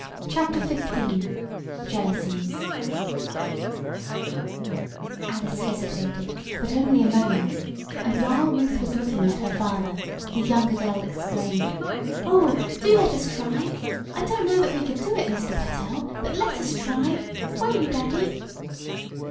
CHAPTER XV JEALOUSIES Alice hesitated, but only a moment, and, while Ruth was looking at her father, the younger girl exclaimed: "Oh, do let us try! I don't know that we could do it, Mr. Pertell, but let us try! Won't you, Daddy?"